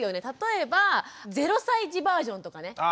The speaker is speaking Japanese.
例えば０歳児バージョンとかね。